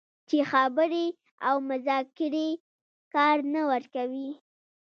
چې خبرې او مذاکرې کار نه ورکوي